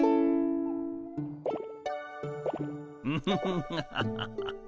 フフフハハハハ。